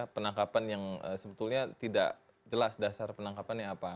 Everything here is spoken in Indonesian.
penangkapan yang sebetulnya tidak jelas dasar penangkapannya apa